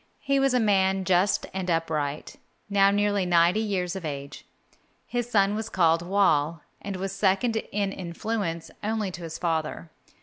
He was a man just and upright, now nearly ninety years of age. His son was called Whal, and was second in influence only to his father.